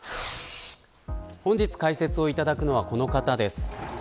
本日、解説をいただくのはこの方です。